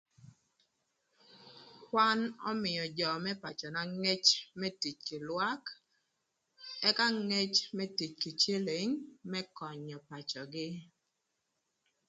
Kwan ömïö jö më pacöna ngec më tic kï lwak ëka ngec më tic kï cïlïng më könyö jö pacögï.